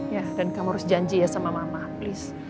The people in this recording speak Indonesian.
ya dan kamu harus janji ya sama mama aplis